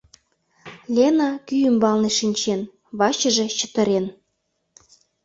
Лена кӱ ӱмбалне шинчен, вачыже чытырен.